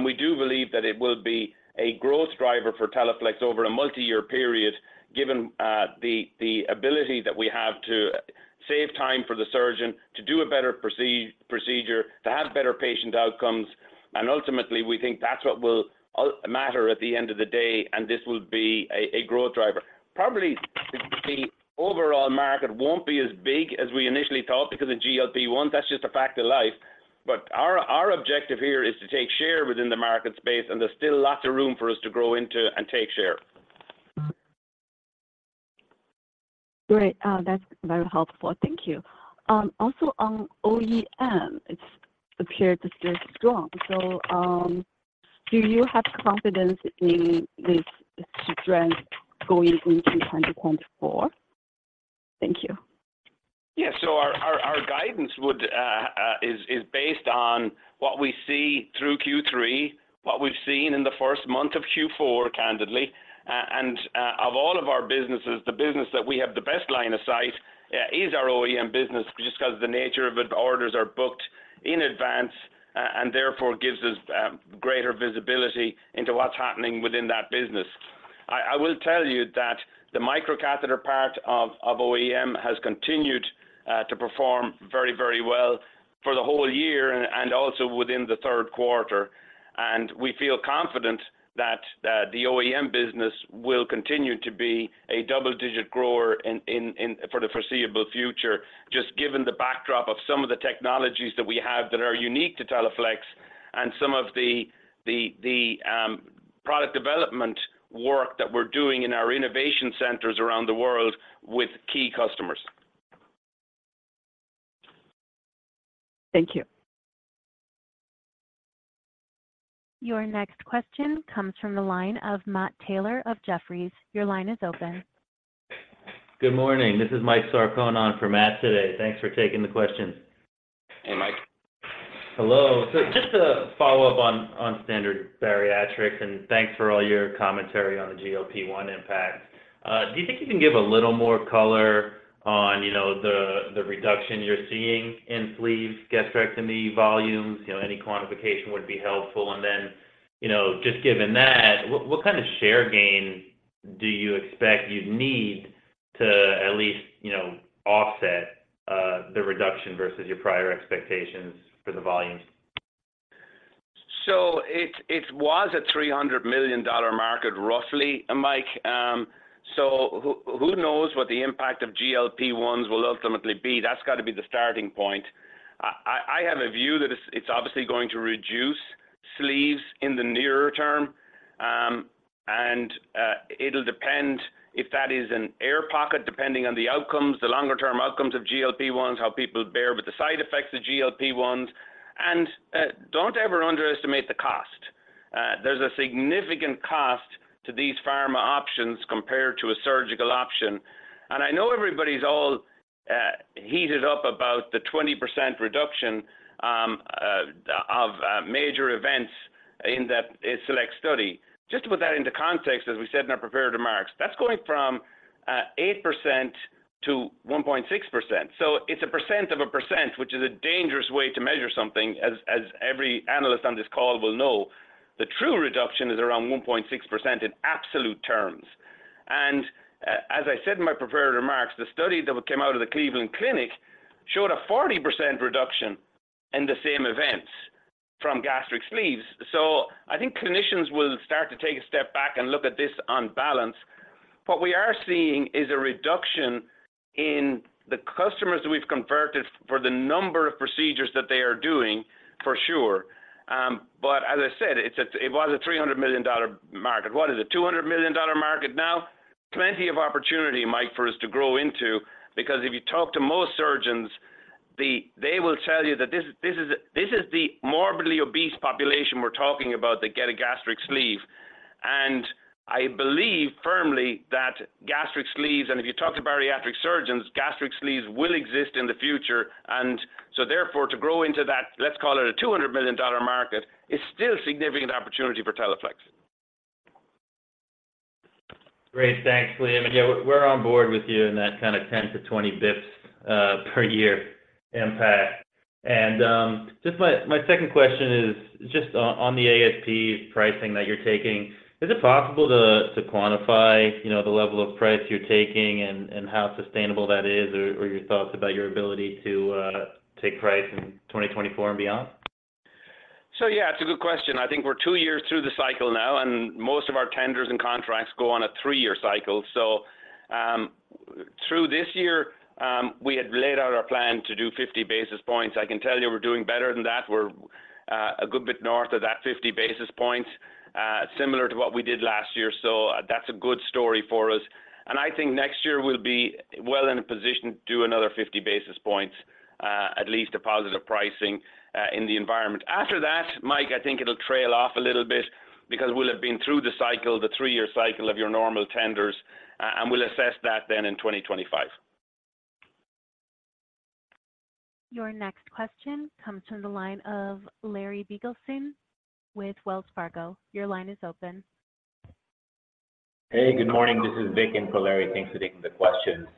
We do believe that it will be a growth driver for Teleflex over a multi-year period, given the ability that we have to save time for the surgeon to do a better procedure, to have better patient outcomes. Ultimately, we think that's what will matter at the end of the day, and this will be a growth driver. Probably, the overall market won't be as big as we initially thought because of GLP-1, that's just a fact of life. But our objective here is to take share within the market space, and there's still lots of room for us to grow into and take share. Great. That's very helpful. Thank you. Also on OEM, it's appeared to stay strong. So, do you have confidence in this strength going into 2024? Thank you. Yeah. So our guidance is based on what we see through Q3, what we've seen in the first month of Q4, candidly. And of all of our businesses, the business that we have the best line of sight is our OEM business, just because the nature of it, orders are booked in advance and therefore gives us greater visibility into what's happening within that business. I will tell you that the microcatheter part of OEM has continued to perform very, very well for the whole year and also within the Q3. And we feel confident that the OEM business will continue to be a double-digit grower in, in, in... for the foreseeable future, just given the backdrop of some of the technologies that we have that are unique to Teleflex and some of the product development work that we're doing in our innovation centers around the world with key customers. Thank you. Your next question comes from the line of Matt Taylor of Jefferies. Your line is open. Good morning. This is Mike Sarcone for Matt today. Thanks for taking the question. Hey, Mike. ... Hello. So just a follow-up on Standard Bariatrics, and thanks for all your commentary on the GLP-1 impact. Do you think you can give a little more color on, you know, the reduction you're seeing in sleeve gastrectomy volumes? You know, any quantification would be helpful. And then, you know, just given that, what kind of share gain do you expect you'd need to at least, you know, offset the reduction versus your prior expectations for the volumes? So it was a $300 million market, roughly, Mike. So who knows what the impact of GLP-1s will ultimately be? That's got to be the starting point. I have a view that it's obviously going to reduce sleeves in the nearer term. And it'll depend if that is an air pocket, depending on the outcomes, the longer-term outcomes of GLP-1s, how people bear with the side effects of GLP-1s. And don't ever underestimate the cost. There's a significant cost to these pharma options compared to a surgical option. And I know everybody's all heated up about the 20% reduction of major events in that select study. Just to put that into context, as we said in our prepared remarks, that's going from 8% to 1.6%. So it's a percent of a percent, which is a dangerous way to measure something, as, as every analyst on this call will know. The true reduction is around 1.6% in absolute terms. And, as I said in my prepared remarks, the study that came out of the Cleveland Clinic showed a 40% reduction in the same events from gastric sleeves. So I think clinicians will start to take a step back and look at this on balance. What we are seeing is a reduction in the customers that we've converted for the number of procedures that they are doing, for sure. But as I said, it was a $300 million market. What is it? $200 million market now? Plenty of opportunity, Mike, for us to grow into, because if you talk to most surgeons, they will tell you that this is the morbidly obese population we're talking about that get a gastric sleeve. And I believe firmly that gastric sleeves, and if you talk to bariatric surgeons, gastric sleeves will exist in the future. And so therefore, to grow into that, let's call it a $200 million market, is still a significant opportunity for Teleflex. Great. Thanks, Liam. And, yeah, we're on board with you in that kind of 10-20 BPS per year impact. And, just my second question is just on the ASP pricing that you're taking, is it possible to quantify, you know, the level of price you're taking and how sustainable that is, or your thoughts about your ability to take price in 2024 and beyond? So yeah, it's a good question. I think we're 2 years through the cycle now, and most of our tenders and contracts go on a 3-year cycle. So, through this year, we had laid out our plan to do 50 basis points. I can tell you we're doing better than that. We're, a good bit north of that 50 basis points, similar to what we did last year. So that's a good story for us. And I think next year we'll be well in a position to do another 50 basis points, at least a positive pricing, in the environment. After that, Mike, I think it'll trail off a little bit because we'll have been through the cycle, the 3-year cycle of your normal tenders, and we'll assess that then in 2025. Your next question comes from the line of Larry Biegelsen with Wells Fargo. Your line is open. Hey, good morning. This is Vik in for Larry. Thanks for taking the questions,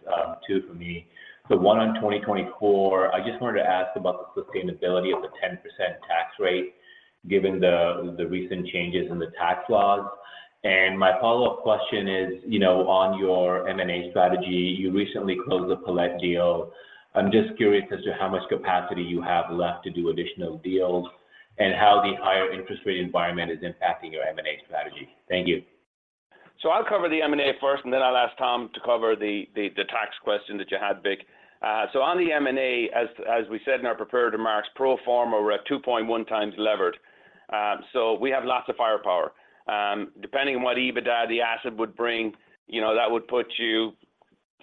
two for me. So one on 2024, I just wanted to ask about the sustainability of the 10% tax rate, given the recent changes in the tax laws. And my follow-up question is, you know, on your M&A strategy, you recently closed the Palette deal. I'm just curious as to how much capacity you have left to do additional deals and how the higher interest rate environment is impacting your M&A strategy. Thank you. I'll cover the M&A first, and then I'll ask Tom to cover the tax question that you had, Vik. So on the M&A, as we said in our prepared remarks, pro forma, we're at 2.1x levered. So we have lots of firepower. Depending on what EBITDA the asset would bring, you know, that would put you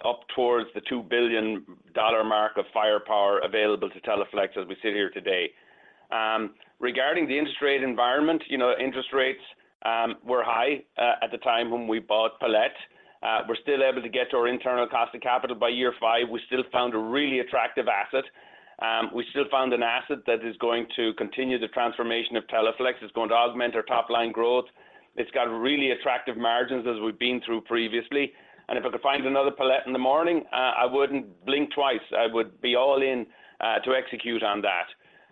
up towards the $2 billion mark of firepower available to Teleflex as we sit here today. Regarding the interest rate environment, you know, interest rates were high at the time when we bought Palette. We're still able to get to our internal cost of capital by year 5. We still found a really attractive asset. We still found an asset that is going to continue the transformation of Teleflex. It's going to augment our top-line growth. It's got really attractive margins as we've been through previously. And if I could find another Palette in the morning, I wouldn't blink twice. I would be all in, to execute on that.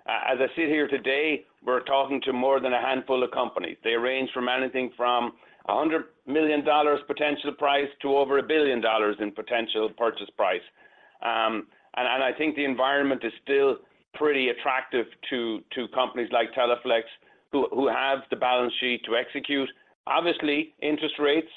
As I sit here today, we're talking to more than a handful of companies. They range from anything from $100 million potential price to over $1 billion in potential purchase price. And I think the environment is still pretty attractive to companies like Teleflex, who have the balance sheet to execute. Obviously, interest rates,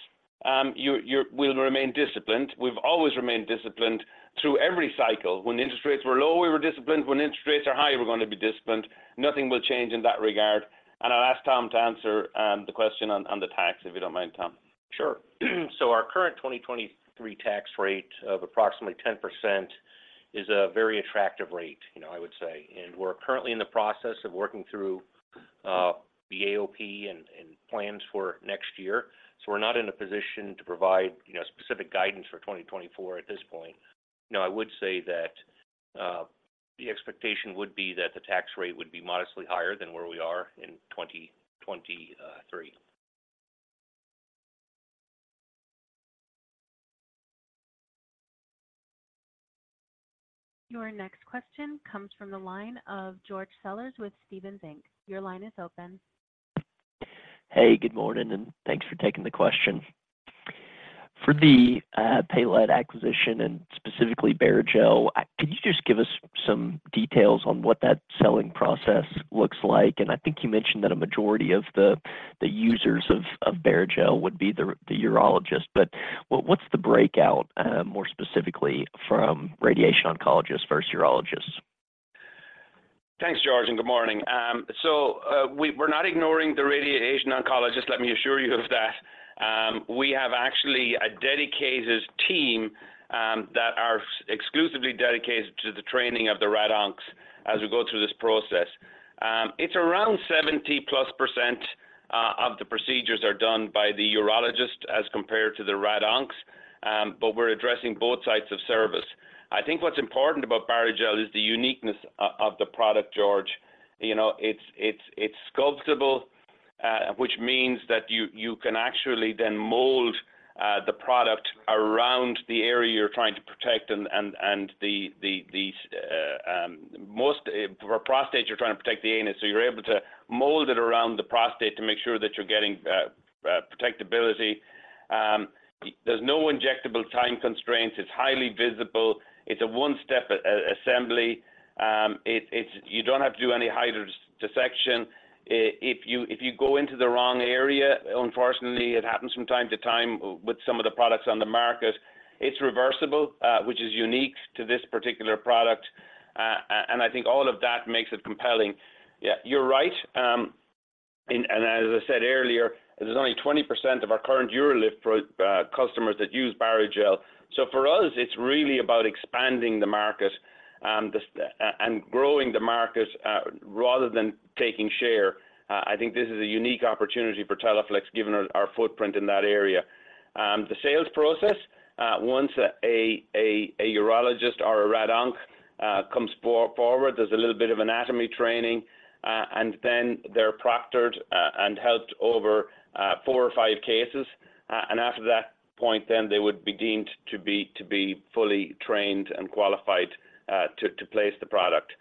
we'll remain disciplined. We've always remained disciplined through every cycle. When interest rates were low, we were disciplined. When interest rates are high, we're going to be disciplined. Nothing will change in that regard. I'll ask Tom to answer the question on the tax, if you don't mind, Tom. Sure. So our current 2023 tax rate of approximately 10% is a very attractive rate, you know, I would say. We're currently in the process of working through-... the AOP and plans for next year. So we're not in a position to provide, you know, specific guidance for 2024 at this point. Now, I would say that the expectation would be that the tax rate would be modestly higher than where we are in 2023. Your next question comes from the line of George Sellers with Stephens Inc. Your line is open. Hey, good morning, and thanks for taking the question. For the Palette acquisition and specifically Barrigel, could you just give us some details on what that selling process looks like? And I think you mentioned that a majority of the users of Barrigel would be the urologist, but what's the breakout more specifically from radiation oncologists versus urologists? Thanks, George, and good morning. So, we're not ignoring the radiation oncologist, let me assure you of that. We have actually a dedicated team, that are exclusively dedicated to the training of the rad oncs as we go through this process. It's around 70%+, of the procedures are done by the urologist as compared to the rad oncs, but we're addressing both sides of service. I think what's important about Barrigel is the uniqueness of the product, George. You know, it's sculptable, which means that you can actually then mold the product around the area you're trying to protect and, for prostate, you're trying to protect the anus, so you're able to mold it around the prostate to make sure that you're getting protectability. There's no injectable time constraints. It's highly visible. It's a one-step assembly. You don't have to do any hydrodissection. If you go into the wrong area, unfortunately, it happens from time to time with some of the products on the market, it's reversible, which is unique to this particular product. And I think all of that makes it compelling. Yeah, you're right. As I said earlier, there's only 20% of our current UroLift customers that use Barrigel. So for us, it's really about expanding the market and growing the market, rather than taking share. I think this is a unique opportunity for Teleflex, given our footprint in that area. The sales process, once a urologist or a Rad Onc comes forward, there's a little bit of anatomy training, and then they're proctored and helped over four or five cases. And after that point, then they would be deemed to be fully trained and qualified to place the product.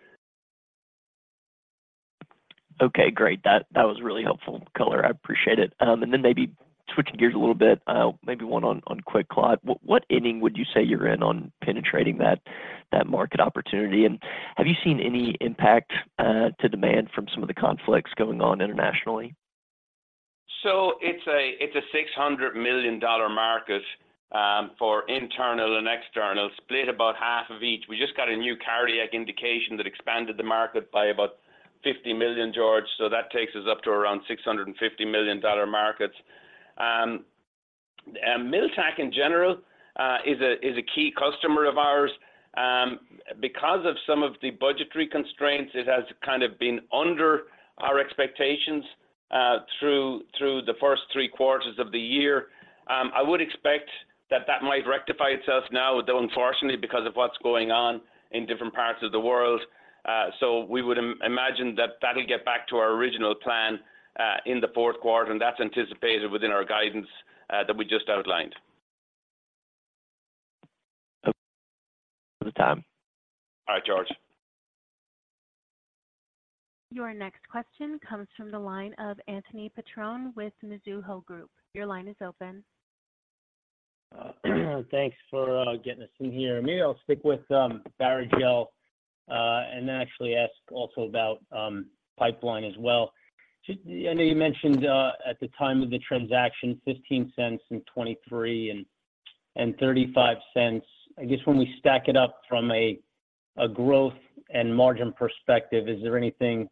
Okay, great. That was really helpful, Liam. I appreciate it. And then maybe switching gears a little bit, maybe one on QuikClot. What inning would you say you're in on penetrating that market opportunity? And have you seen any impact to demand from some of the conflicts going on internationally? So it's a $600 million market for internal and external, split about half of each. We just got a new cardiac indication that expanded the market by about $50 million, George, so that takes us up to around $650 million markets. And miltech, in general, is a key customer of ours. Because of some of the budgetary constraints, it has kind of been under our expectations through the first three quarters of the year. I would expect that that might rectify itself now, though unfortunately, because of what's going on in different parts of the world. So we would imagine that that'll get back to our original plan in the Q4, and that's anticipated within our guidance that we just outlined.... the time. All right, George. Your next question comes from the line of Anthony Petrone with Mizuho Group. Your line is open. Thanks for getting us in here. Me, I'll stick with Barrigel, and then actually ask also about pipeline as well. J- I know you mentioned at the time of the transaction, $0.15 in 2023 and $0.35. I guess when we stack it up from a growth and margin perspective, is there anything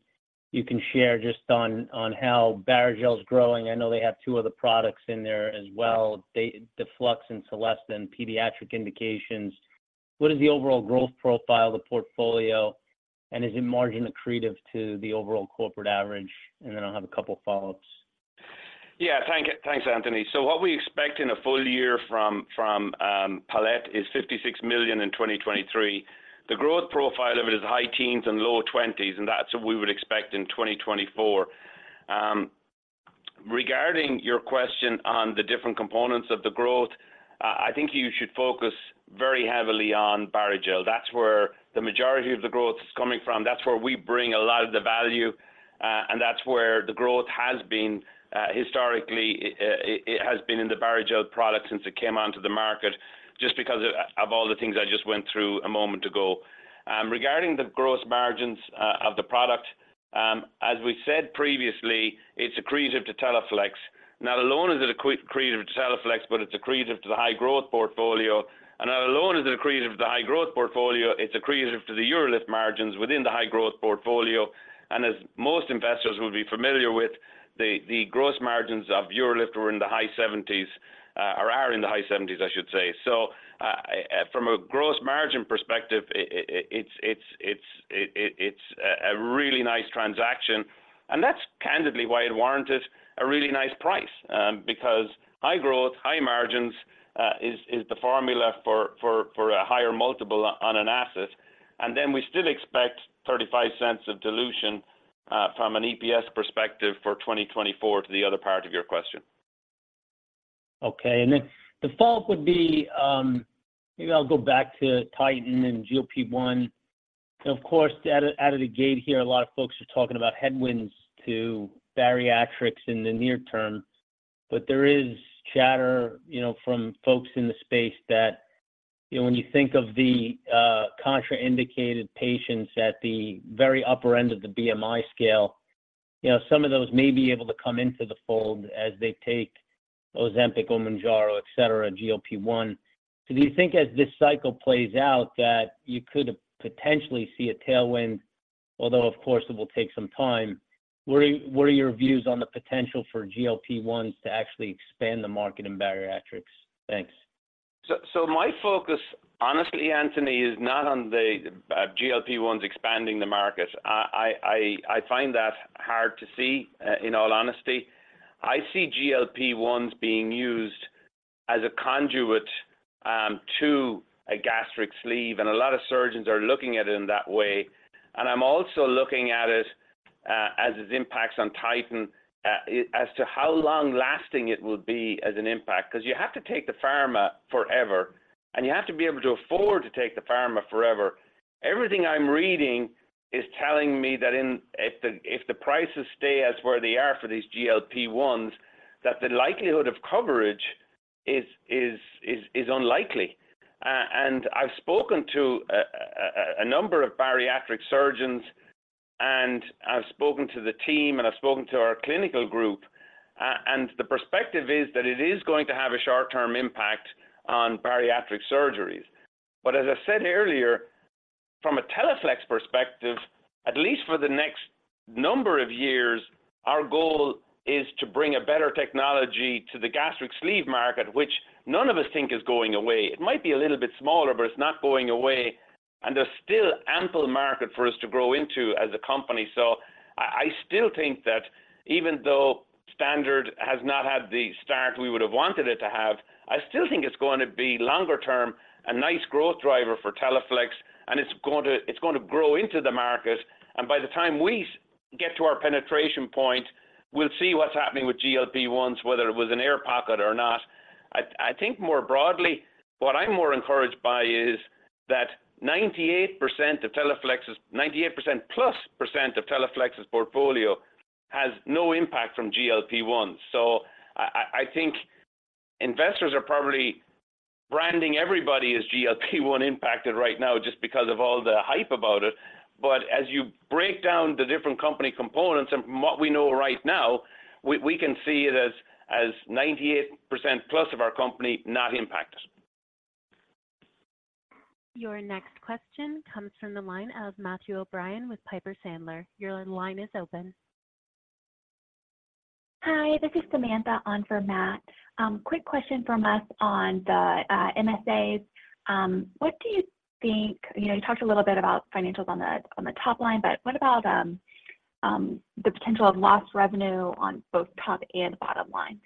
you can share just on how Barrigel is growing? I know they have two other products in there as well, Deflux and Solesta, pediatric indications. What is the overall growth profile of the portfolio, and is it margin accretive to the overall corporate average? And then I'll have a couple of follow-ups. Yeah. Thank you. Thanks, Anthony. So what we expect in a full year from Palette is $56 million in 2023. The growth profile of it is high teens and low twenties, and that's what we would expect in 2024. Regarding your question on the different components of the growth, I think you should focus very heavily on Barrigel. That's where the majority of the growth is coming from. That's where we bring a lot of the value, and that's where the growth has been. Historically, it has been in the Barrigel product since it came onto the market, just because of all the things I just went through a moment ago. Regarding the gross margins of the product, as we said previously, it's accretive to Teleflex. Not alone is it accretive to Teleflex, but it's accretive to the high-growth portfolio. And not alone is it accretive to the high-growth portfolio, it's accretive to the UroLift margins within the high-growth portfolio. And as most investors will be familiar with. The gross margins of UroLift were in the high 70s or are in the high 70s, I should say. So, from a gross margin perspective, it's a really nice transaction, and that's candidly why it warranted a really nice price. Because high growth, high margins is the formula for a higher multiple on an asset. And then we still expect $0.35 of dilution from an EPS perspective for 2024, to the other part of your question. Okay. And then the follow-up would be, maybe I'll go back to Titan and GLP-1. Of course, out of, out of the gate here, a lot of folks are talking about headwinds to bariatrics in the near term. But there is chatter, you know, from folks in the space that, you know, when you think of the contraindicated patients at the very upper end of the BMI scale, you know, some of those may be able to come into the fold as they take Ozempic, Mounjaro, et cetera, GLP-1. So do you think as this cycle plays out, that you could potentially see a tailwind, although of course, it will take some time? What are your views on the potential for GLP-1s to actually expand the market in bariatrics? Thanks. So, my focus, honestly, Anthony, is not on the GLP-1s expanding the market. I find that hard to see, in all honesty. I see GLP-1s being used as a conduit to a gastric sleeve, and a lot of surgeons are looking at it in that way. And I'm also looking at it as its impacts on Titan as to how long-lasting it will be as an impact. Because you have to take the pharma forever, and you have to be able to afford to take the pharma forever. Everything I'm reading is telling me that if the prices stay as where they are for these GLP-1s, that the likelihood of coverage is unlikely. And I've spoken to a number of bariatric surgeons, and I've spoken to the team, and I've spoken to our clinical group, and the perspective is that it is going to have a short-term impact on bariatric surgeries. But as I said earlier, from a Teleflex perspective, at least for the next number of years, our goal is to bring a better technology to the gastric sleeve market, which none of us think is going away. It might be a little bit smaller, but it's not going away, and there's still ample market for us to grow into as a company. So I still think that even though standard has not had the start we would have wanted it to have, I still think it's going to be, longer term, a nice growth driver for Teleflex, and it's going to grow into the market. And by the time we get to our penetration point, we'll see what's happening with GLP-1s, whether it was an air pocket or not. I think more broadly, what I'm more encouraged by is that 98% of Teleflex's- 98% plus percent of Teleflex's portfolio has no impact from GLP-1. So I think investors are probably branding everybody as GLP-1 impacted right now just because of all the hype about it. As you break down the different company components and from what we know right now, we can see it as 98% plus of our company not impacted. Your next question comes from the line of Matthew O'Brien with Piper Sandler. Your line is open. Hi, this is Samantha on for Matt. Quick question from us on the MSAs. What do you think—you know, you talked a little bit about financials on the, on the top line, but what about the potential of lost revenue on both top and bottom line?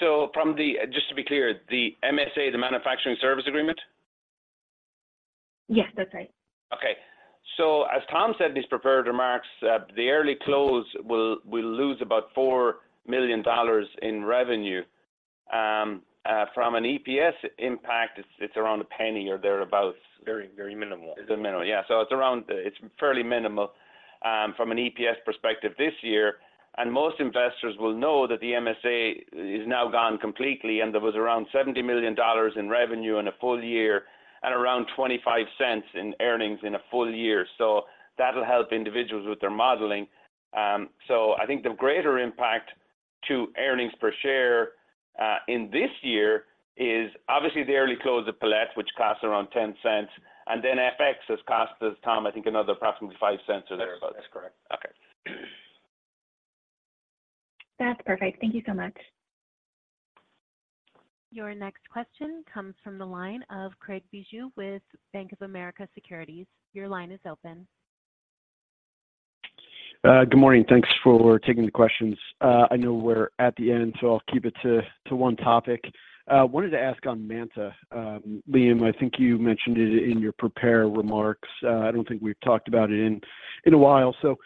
Just to be clear, the MSA, the manufacturing services agreement? Yes, that's right. Okay. So as Tom said in his prepared remarks, the early close will lose about $4 million in revenue. From an EPS impact, it's around $0.01 or thereabout. Very, very minimal. It's minimal, yeah. So it's fairly minimal from an EPS perspective this year. And most investors will know that the MSA is now gone completely, and there was around $70 million in revenue in a full year and around $0.25 in earnings in a full year. So that'll help individuals with their modeling. So I think the greater impact to earnings per share in this year is obviously the early close of Palette, which costs around $0.10, and then FX has cost us, Tom, I think another approximately $0.05 or thereabout. That's correct. Okay. That's perfect. Thank you so much. Your next question comes from the line of Craig Bijou with Bank of America Securities. Your line is open. Good morning. Thanks for taking the questions. I know we're at the end, so I'll keep it to one topic. Wanted to ask on Manta. Liam, I think you mentioned it in your prepared remarks. I don't think we've talked about it in a while. So,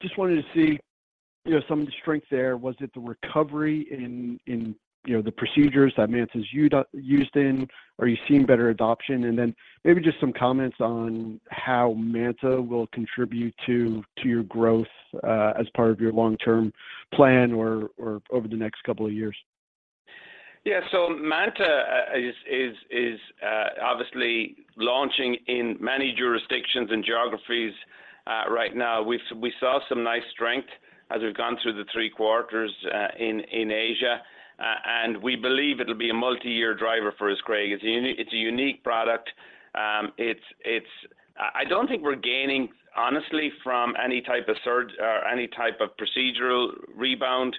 just wanted to see, you know, some of the strength there. Was it the recovery in the procedures that Manta's used in? Are you seeing better adoption? And then maybe just some comments on how Manta will contribute to your growth as part of your long-term plan or over the next couple of years. Yeah. So Manta is obviously launching in many jurisdictions and geographies right now. We saw some nice strength as we've gone through the three quarters in Asia, and we believe it'll be a multi-year driver for us, Craig. It's a unique product. I don't think we're gaining, honestly, from any type of surgical or any type of procedural rebound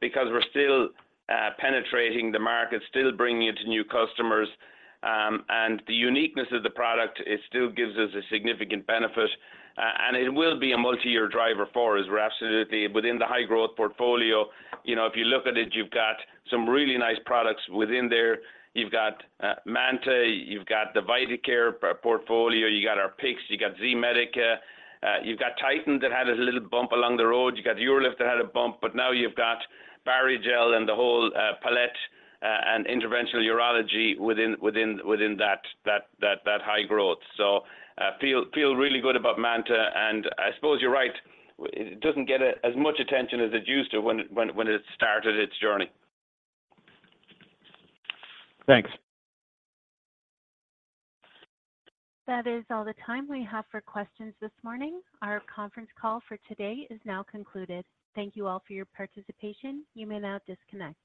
because we're still penetrating the market, still bringing it to new customers. And the uniqueness of the product, it still gives us a significant benefit, and it will be a multi-year driver for us. We're absolutely within the high-growth portfolio. You know, if you look at it, you've got some really nice products within there. You've got Manta, you've got the Vidacare portfolio, you got our PICCs, you got Z-Medica, you've got Titan that had a little bump along the road, you got UroLift that had a bump, but now you've got Barrigel and the whole Palette, and interventional urology within that high growth. So, feel really good about Manta, and I suppose you're right. It doesn't get as much attention as it used to when it started its journey. Thanks. That is all the time we have for questions this morning. Our conference call for today is now concluded. Thank you all for your participation. You may now disconnect.